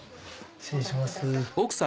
失礼します。